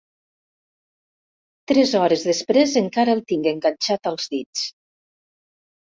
Tres hores després encara el tinc enganxat als dits.